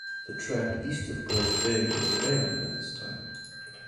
The track east of Glace Bay was abandoned at this time.